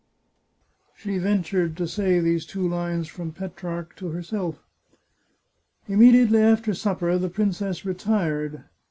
She ventured to say these two lines from Petrarch to her self. Immediately after supper the princess retired.